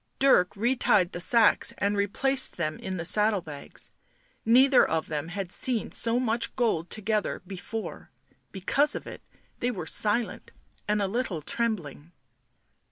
Dirk retied the sacks and replaced them in the saddle bags ; neither of them had seen so much gold together before ; because of it they were silent and a little trembling.